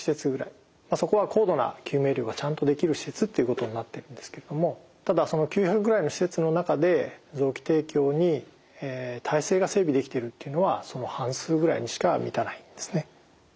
そこは高度な救命医療がちゃんとできる施設っていうことになっているんですけれどもただその９００ぐらいの施設の中で臓器提供に体制が整備できているっていうのはその半数ぐらいにしか満たないんですね。